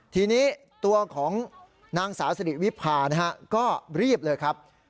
ทีนี้ตัวของนางสาวสิริวิพานะฮะก็รีบเลยครับ